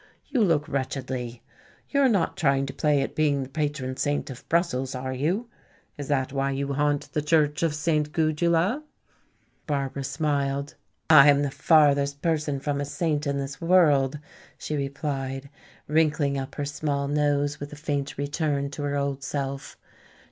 You look wretchedly. You are not trying to play at being the patron saint of Brussels, are you? Is that why you haunt the church of Saint Gudula?" Barbara smiled. "I am the farthest person from a saint in this world," she replied, wrinkling up her small nose with a faint return to her old self.